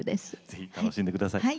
ぜひ楽しんでください。